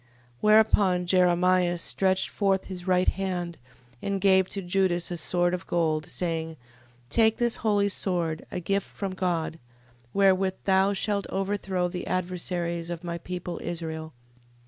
15:15. Whereupon Jeremias stretched forth his right hand, and gave to Judas a sword of gold, saying: 15:16. Take this holy sword, a gift from God, wherewith thou shalt overthrow the adversaries of my people Israel.